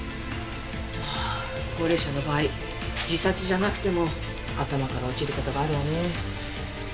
まあ高齢者の場合自殺じゃなくても頭から落ちる事があるわね。